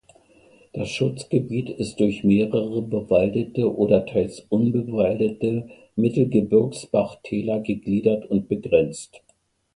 Das Schutzgebiet ist durch mehrere bewaldete oder teils unbewaldte Mittelgebirgsbachtäler gegliedert und begrenzt.